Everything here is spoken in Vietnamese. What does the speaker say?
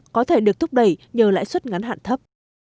có thể được thúc đẩy nhờ lãi suất ngắn hạn thấp